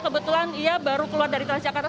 kebetulan ia baru keluar dari transjakarta